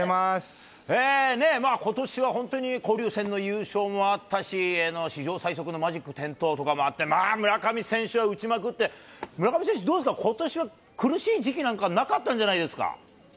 ことしは本当に交流戦の優勝もあったし、史上最速のマジック点灯とかもあって、まあ、村上選手は打ちまくって、村上選手、どうですか、ことしは苦しい時期なんかなかったんじゃないですか？